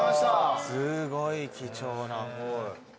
すごい貴重な。